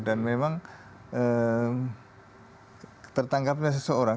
dan memang tertangkapnya seseorang